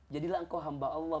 jadilah engkau hamba allah